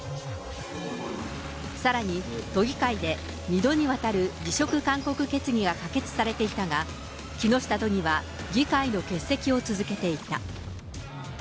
さらに、都議会で２度にわたる辞職勧告決議が可決されていたが、木下都議は議会の欠席を続けていた。